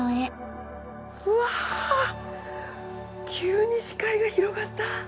うわあ急に視界が広がった！